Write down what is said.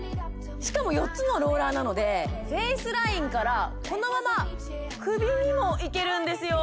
しかも４つのローラーなのでフェイスラインからこのまま首にもいけるんですよ